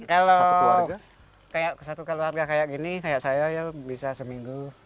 kalau satu keluarga kayak gini kayak saya ya bisa seminggu